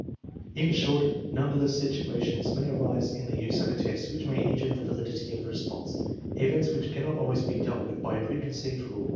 In short, numberless situations may arise in the use of a test which may injure the validity of the response, events which cannot always be dealt with by preconceived rule.